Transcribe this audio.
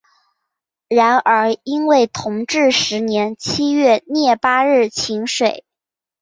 然而因为同治十年七月廿八日请水。